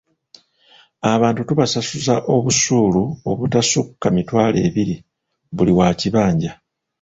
Abantu tubasasuza obusuulu obutasukka mitwalo ebiri buli wa kibanja.